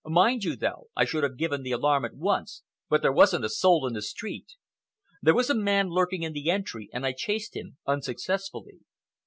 Mind you, though, I should have given the alarm at once, but there wasn't a soul in the street. There was a man lurking in the entry and I chased him, unsuccessfully.